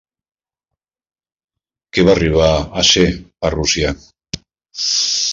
Què va arribar a ser a Rússia?